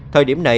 thời điểm này